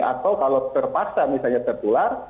atau kalau terpaksa misalnya tertular